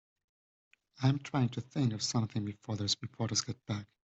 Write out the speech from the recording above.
I'm trying to think of something before those reporters get back.